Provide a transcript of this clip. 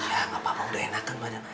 ya gapapa udah enakan pada naya